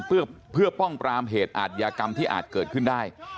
เพื่อป้องปรามเหตุอาทยากรรมที่อาจเกิดขึ้นได้